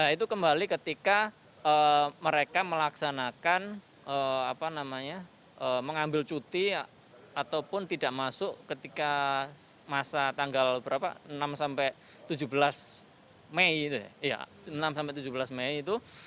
itu kembali ketika mereka melaksanakan mengambil cuti ataupun tidak masuk ketika masa tanggal enam hingga tujuh belas mei itu